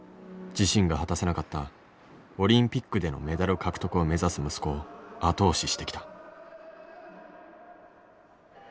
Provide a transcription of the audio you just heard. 自身が果たせなかったオリンピックでのメダル獲得を目指す息子を後押ししてきた。